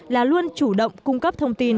là luôn chủ động cung cấp thông tin